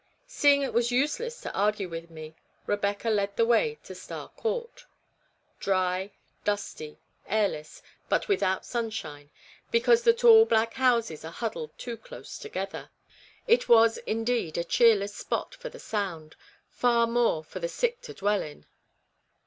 Seeing it was useless to argue with me, Rebecca led the way to Star Court. Dry, dusty, airless, but without sunshine because the tall black houses are huddled too close together it was, indeed, a cheerless spot for the sound, far more for the sick to dwell in.